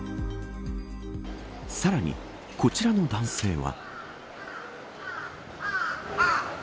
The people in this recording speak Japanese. さらにこちらの男性は。